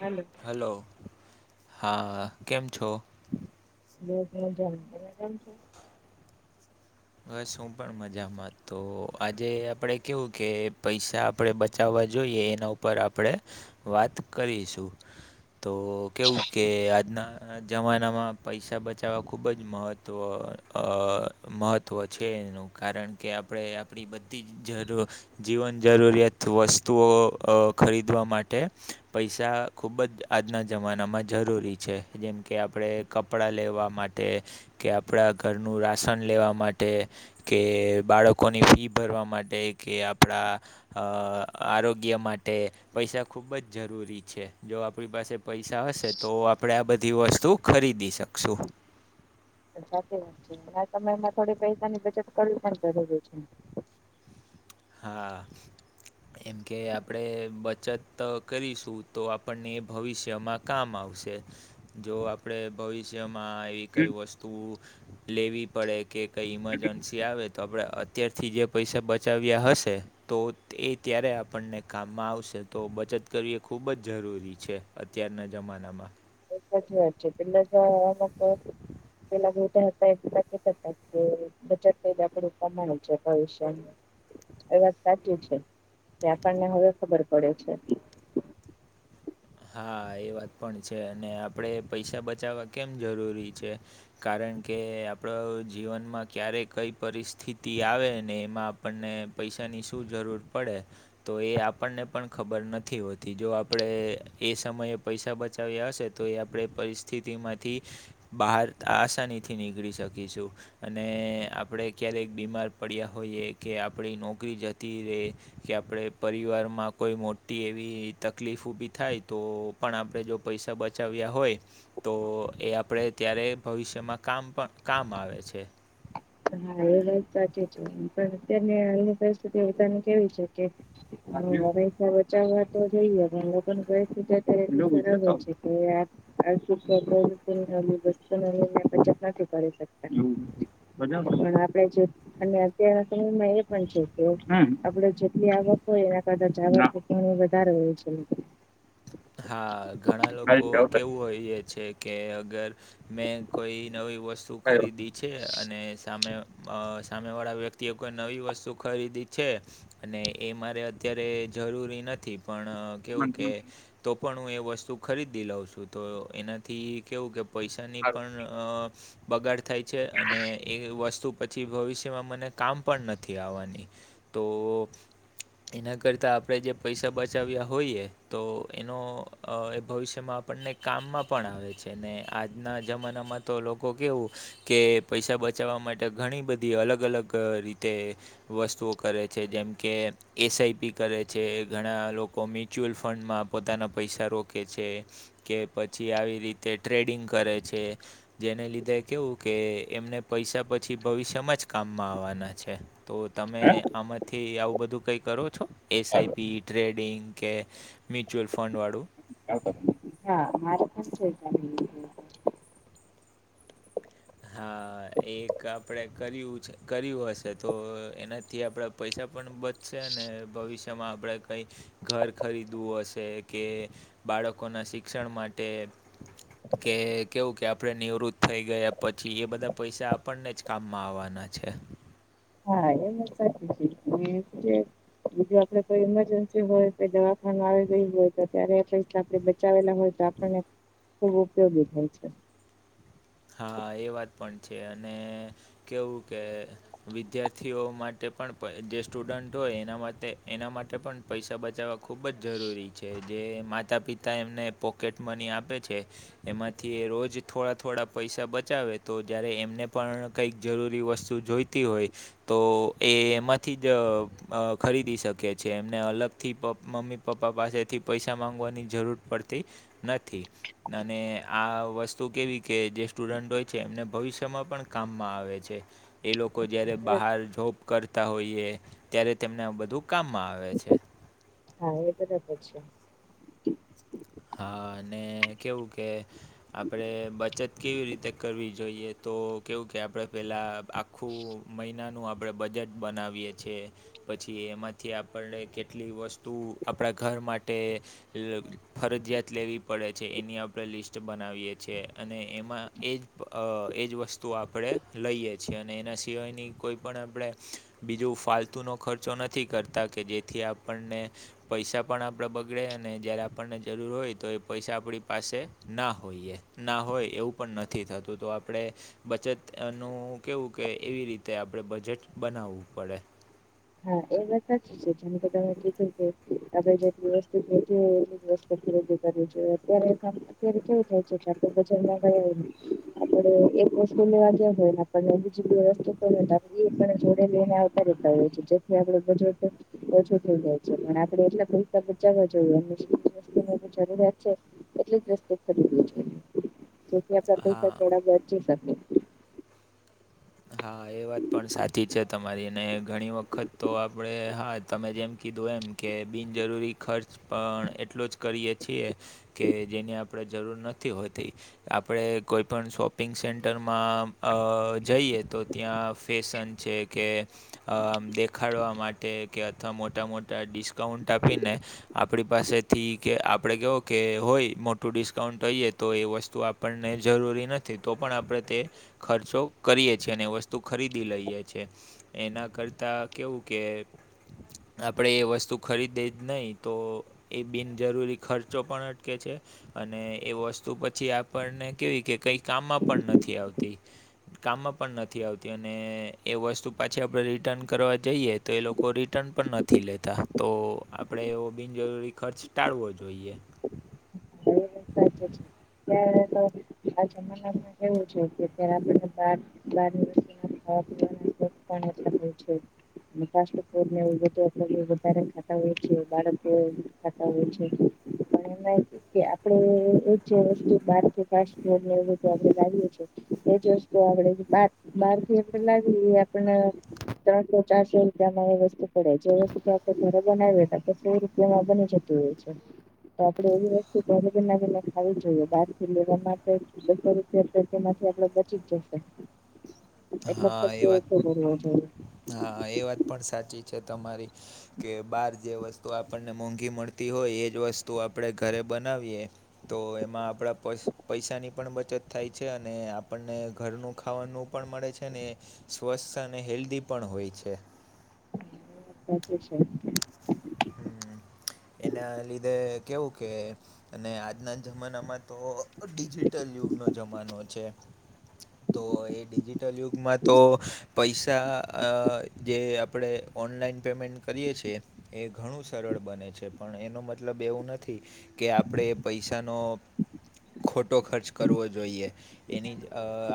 હાલો hello હા કેમ છો લોકો જમતા કેમ છે. બસ હુ પણ મજામાં તો આજે આપડે કેવું કે પૈસા આપડે બ બચાવવા જોઈએ એના ઉપર આપણે વાત કરીશું. તો કેવું કે આજના જમાનામાં પૈસા બચાવવા ખૂબ જ મહત્ત્વ એ મહ ત્વ છે એનું કારણ કે આપણે આપણી બધી જ જરૂ જીવન જરૂરિયાત વસ્તુઓ અ ખરીદવા માટે પૈસા ખૂબ જ આજના જમાનામાં જરૂરી છે જેમ કે આપણે કપડાં લેવા માટે કે આપણા ઘરનું રાશન લેવા માટે માટે કે બાળકોની ફી ભરવા માટે કે આપણા અ આરોગ્ય માટે પૈસા ખુબ જ જરૂરી છે જો આપણી પાસે પૈસા હશે તો આપડે આ બધી વસ્તુ ખરીદી શકશું. સાચી વાત છે આ સમયમાં થોડી પૈસાની બચત કરાવી પણ જરૂરી છે હા એમ કે આપડે બચત કરીશું તો આપણને એ ભવિષ્યમાં કામ આવશે. જો આપ આપણે ભવિષ્યમાં એવી કઈ વસ્તુ લેવી પડે કે કંઈ ઇમજન સી આવે તો આપણે અત્યારથી જે પૈસા બચાવ્યા હશે. તો એ ત્યારે આપણને કામમાં આવશે તો બચત કરવી એ ખૂબ જ જરૂરી છે. અત્યારના જમાનામાં એ સાચી વાત છે [unintelligible] [inaudible] બચત કર્યા, આપણી કમાણી જરૂર હોય છે, એમ. એ વાત સાચી છે કે આપણને હવે ખબર પડે છે. હા એ વાત પણ છે અને આપડે પૈસા બચાવવા કેમ જરૂરી છે કારણ કે આપણો જીવનમાં ક્યારેય કઈ પરિસ્થિતિ આવે ને એમાં આપણને પૈસાની શું જરૂર પડે? તો, એ આપણને પણ ખબર નથી હોતી, જો આપણે એ સમયે પૈસા બચાવ્યા હશે, તો એ આપણે પરિસ્થિતિમાંથી બહાર આસાની થી નીકળી શકીશું. અને આપણે ક્યારેક બીમાર પડ્યા હોઈએ, કે આપણી નોકરી જતી તીરે કે, આપણે પરિવારમાં કોઈ મોટી એવી તકલીફ ઊભી થાય. તો પણ આપણે જો પૈસા બચાવ્યા હોય. તો એ આપણે ત્યારે ભવિષ્યમાં કામ પણ કામ આવે છે. હા, એ વાત સાચી છે. પણ અત્યની અની પરિસ્થિતિ બધાની કેવી છે કે હ, હંમેશા બચાવવા તો જઈએ પણ લોકો છે. આર્થ વસ્તુ બચત નથી કરી શકતા. બધા આપે છે. અને અત્યારના સમયમાં, એ પણ છે કે, આપડે જેટલી આવક હોય, એના કદાચ આવક હ, વધારે હોય છે. હા, ઘણા લોકો કેવું હોય એ છે કે, અગર મેં કોઈ નવી વસ્તુ ખરીદી લોકોની. છે, અને સામે અ સામે વાળા વ્યક્તિએ કોઈ નવી વસ્તુ ખરીદી છે. અને એ મારે અત્યારે જરૂરી નથી, પણ કેવું કે, તો પણ હું એ વસ્તુ ખરીદી લઉં છું, તો એનાથી કેવું કે પૈસાની પણ બગાડ થાય છે, અને એ વસ્તુ પછી પછી ભવિષ્યમાં મને કામ પણ નથી આવવાની, તો એના કરતા આપણેે જે પૈસા બચાવ્યા હોઈએ તો. એનો એ ભવિષ્યમાં આપણને કામમાં પણ આવે છે ને, આજના જમાનામાં તો લોકો કેવું કે, પૈસા બચાવવા માટે ઘણી બધી અલગ અલગ રીતે વસ્તુઓ કરે છે, જેમ કે એસઆઈપી કરે છે, ઘણા લોકો મ્યુચ્યુઅલ ફંડમાં પોતાના પૈસા રોકે છે, કે પછી આવી રીતે ટ્રેડિંગ કરે છે. જેને લીધે કેવું કે એમને પૈસા પછી ભવિષ્યમાં જ કામમાં આવવાના છે, તો તમે આમાં થી આવું બધું કંઈ કરો છો, એસઆઈપી, ટ્રેડિંગ કે મ્યુચ્યુઅલ ફંડવાળું? મારે પણ એમ જ છે. હા, એક આપણેે કર્યું છે, કર્યું હશે, તો એનાથી આપડે પૈસા પણ બચશે અને ભવિષ્ય જેમાં આપણેે કંઈ ઘર ખરીદવું હશે કે બાળકોના શિક્ષણ માટે કે, કેવું કે, આપણે નિવૃત્ત થઈ ગયા. પછી એ બધા પૈસા આપણને જ કામમાં આવવાના છે. હા, એમ સાચી છે. બીજું, આપડે કોઈ ઇમરજન્સી હોય, દવા આવી ગઈ હોય, તો ત્યારે એટલે આપણે બચાવેલા હોય, તો આપણને ખૂબ ઉપયોગી થાય છે. હા, એ વાત પણ છે, અને કેવું કે વિદ્યાર્થીઓ માટે પણ, જે સ્ટુડન્ટ હોય, એના માટે એના માટે પણ પૈસા બચાવવા ખૂબ જ જરૂરી છે, જે માતા-પિતા એમને પોકેટ મની આપે છે. એમાંથી રોજ થોડા થોડા પૈસા બચાવે તો જ્યારે એમને પણ કંઈક જરૂરી વસ્તુ જોઈતી હોય તો એ એમાંથી જ ખરીદી શકે છે એમને અલગ થી મમ્મી પપ્પા પાસેથી પૈસા માંગવાની જરૂર પડતી નથી અને આ વસ્તુ કેવી કે, જે સ્ટુડન્ટ હોય છે, એમને ભવિષ્યમાં પણ કામમાં આવે છે. એ લોકો જ્યારે બહાર જોબ કરતા હોઈએ. ત્યારે તેમને બધું કામમાં આવે છે. હા, એ બરાબર છે. હા, અને કેવું કે આપડે બચત કેવી રીતે કરવી જોઈએ, તો કેવું કે, આપડે પેલા ખું મહિનાનું આપણે બજેટ બનાવીએ છીએ પછી એમાંથી આપણને કેટલી વસ્તુ આપણા ઘર માટે ફરજીિયાત લેવી પડે છે એની આપણે લિસ્ટ બનાવીએ છીએ, અને એમાં એ જ એ જ વસ્તુ આપણે લઈએ છીએ અને એના સિવાયની કોઈ પણ આપણે બીજું ફાલતુ નો ખર્ચો નથી કરતા કે જેથી આપણને પૈસા પણ આપડે બગડે અને જયારે આપણને જરૂર હોય તો એ પૈસા આપણી પાસે ના હોઈએ, ના હોય એવું પણ નથી થતું તો આપણે બચત નું કેવું કે એવી રીતે આપણે બજેટ બનાવવું પડે હા એ [inaudible] જેમ કે તમે કીધું કે આપ જેટલી વસ્તુ હોય એ વસ્તુ છે અત્યારે [inaudible] [inaudible] [inaudible] આપણે એક વસ્તુ લેવા ગયા હોય ને આપ બીજી બે રસ્તુ એ પણ જોડે લઈને જેથી આપડે બજેટ ઓછું થઈ જાય છે પણ આપડે એટલા પૈસા બચાવવા જોઈએ એ જરૂરિયાત છે [inaudible] [inaudible] હા થોડા બચી શકે હા એ વાત પણ સાચી છે. તમારી અને ઘણી વખત તો આપણેે હા તમે જેમ કીધું એમ કે બિનજરૂરી ખર્ચ પણ એટલો જ કરીએ છીએ કે, જેની આપણેે જરૂર નથી હોતી આપણે કોઈ પણ શોપિંગ સેન્ટરમાં અ જઈએ તો ત્યાં ફેશન છે કે, અ દેખાડવા માટે કે અથવા મોટા મોટા ડિસ્કાઉન્ટ આપીને આપણી પાસેથી કે આપણે કેવો કે હોય મોટું ડિસ્કાઉન્ટ હોઈએ તો એ વસ્તુ પણને જરૂરી નથી તો પણ આપણે તે ખર્ચો કરીએ છીએ અને વસ્તુ ખરીદી લઈએ છેએ એના કરતાં કેવું કે આપણેે એ વસ્તુ ખરીદે જ નહી તો એ બિનજરૂરી ખર્ચો પણ અટકે છે અને એ વસ્તુ પછી આપણને કેવી કે કઈ કામમાં પણ નથી આવતી કામમાં પણ નથી આવતી અને એ વસ્તુ પાછી આપડે રિટર્ન કરવા જઈએ તો એ લોકો રિટર્ન પણ નથી થી લેતા તો, આપડે એવો બિનજરૂરી ખર્ચ ટાળવો જોઈએ અચ્છ [inaudible] અચ્છ [inaudible] [unintelligible] એટલે પૂછું. [inaudible] વધારે ખાતા હોય થતા હોય છે પણ એમ કે આપણે [inaudible] વસ્તુ આપણે બાર થી એપ્રિલ આપણે ત્રણસો ચારસો રૂપિયામાં એ વસ્તુ પડે જે વસ્તુ તો આપણે ઘરે બનાવી હતા તો સો રૂપિયામાં બની જત. તો [inaudible] આપડે એવી વસ્તુ [inaudible] આવી જોઈએ બારથી લેવા માટે બસો રૂપિયા તેમાંથી આપડે બચી જ જશે એક હા એ વાત [inaudible] હા, એ વાત પણ સાચી છે તમારી. કે બાર જે વસ્તુ આપણને મોંઘી મળતી હોય. એજ વસ્તુ આપણે ઘરે બનાવીએ. તો એમાં આપણા પસ પૈસાની પણ બચત થાય છે. અને આપણને ઘરનું ખાવાનું, પણ મળે છે. ને સ્વસ્થ અને હેલ્ધી પણ હોય છે. Thank you sir. હમ.. એના લીધે કેવું કે, અને આજના જમાનામાં તો, ડિજિટલ યુગનો જમાનો છે. [inaudible] તો એ ડિજિટલ યુગમાં તો પૈસા અજે આપડે ઓનલાઈન પેમેન્ટ કરીએ છે. એ ઘણું સરળ બને છે. પણ એનો મતલબ એવું નથી, કે આપણેે પૈસાનો, ખોટો ખર્ચ કરવો જોઈએ. એની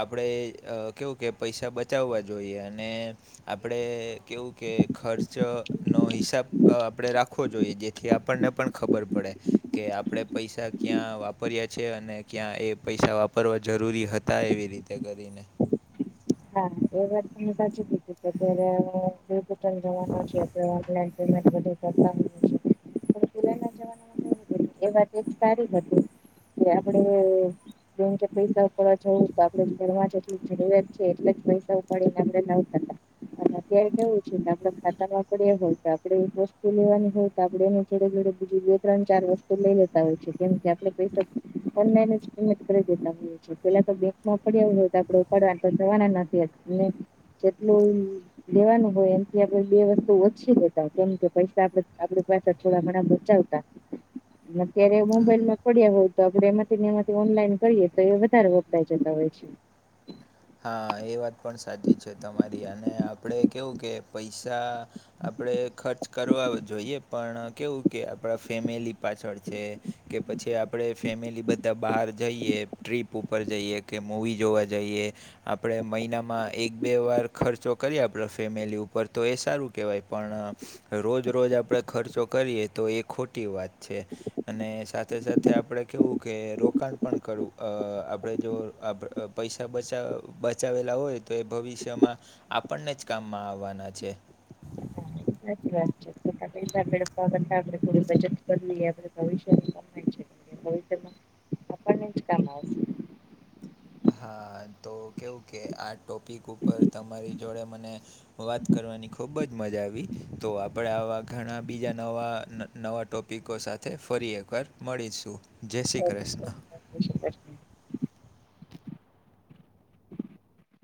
આપણેે કેવું કે, પૈસા બચાવવા જોઈએ. અને આપડે કેવું કે, ખર્ચનો હિસાબ આપડે રાખવો જોઈએ. જેથી આપણને પણ ખબર પડે. કે આપણેે પૈસા ક્યાં વાપર્યા છે. અને ક્યાં એ પૈસા વાપરવા જરૂરી હતા એવી રીત તે કરીને. હા. એ વાત તમે સાચી કીધી કે, અત્યારે પણ પેલાના જમાનામાં તો, પણ એ વાત એક સારી હતી. તો આપડે જેમ કે, પૈસા ઉપાડવા જવું હોય. તો આપડે ભરવા જેટલી જરૂરિયાત છે. તો એટલા જ પૈસા ઉપાડીને અને આપડે અને અત્યારે કેવું છે કે, આપડા ખાતામાં પડ્યા હોય. તો આપડે એક વસ્તુ લેવાની હોય. તો આપડ એને જોડે જોડે બીજુ ત્રણ ચાર વસ્તુ લઈ લેતા હોય છે. કેમ કે, આટલા પૈસા ફંડ મેનેજ કરી દેતા હોય છે. પેલા તો ન પડ્યા હોય તો, આપડે ઉપાડવા તો જવાના નથી. એટલે જેટલું લેવાનું હોય એમથી આપડે બે વસ્તુ ઓછી લેતા હોય. કેમ કે પૈસા આપદે આપડી પાસે થોડા ઘણા બચાવતા. અને ત્યારે મોબાઈલમાં પડ્યા હોય. તો આપડે એમાંથી બેમાંથી ઓનલાઈન કરીએ તો, એ વધારે વપરાઈ જતા હોય છે. હા એ વાત પણ સાચી છે તમારી. અને આપણે કેવું કે, પૈસા આપણેે ખર્ચ કરવા જોઈએ. પણ કેવું કે, આપણા ફેમિલી પાછળ છે કે પછી, આપડે ફેમિલી બધા બહાર જઈએ, ટ્રીપ ઉપર જઈએ કે મવી જોવા જઈએ આપડે મહિનામાં એક બે વાર ખર્ચો કરીએ. આપડા ફેમિલી ઉપર તો એ સારું કેહવાય પણ રોજ રોજ આપણે ખર્ચો કરીએ. તો એ ખોટી વાત છે. અને સાથે સાથે આપણે કવું કે રોકાણ પણ કરવું, આપણે જો આપ પૈસા બચાવ બચાવેલા હોય તો, એ ભવિષ્યમાં આપણને જ કામમાં આવવાના છે. એજ સારું છે. ખોટા પૈસા વેડફવા કરતા આપડે થોડું બચત બધું એ, ભવિષ્યમાં કમાઈએ છીએ એ આપણને જ કામ લાગશે. હા તો કેવું કે, આ ટોપિક ઉપર તમારી જોડે મને વાત કરવાની ખૂબ જ મજા આવી. તો આપણે આવા ઘણા બીજા નવા, નવા ટોપિકો સાથે ફરી એકવાર મળીશું. જય શ્રી કૃષ્ણ! ઉસુપાસની